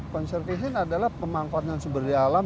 conservation adalah pemangkuan yang seberdi alam